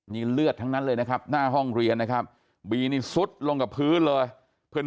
นี่เลือดทั้งนั้นเลยนะครับหน้าห้องเรียนนะครับบีนี่ซุดลงกับพื้นเลยเพื่อน